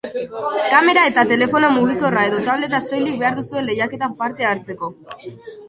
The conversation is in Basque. Kamera eta telefono mugikorra edo tableta soilik behar duzue lehiaketan parte hartzeko.